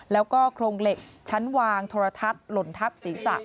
แล้วก็โครงเหล็กชั้นวางโทรทัศน์หล่นทับศีรษะ